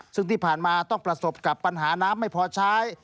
ซึ่งที่ผ่านมาต้องประสบกับปัญหาน้ำไม่พอใช้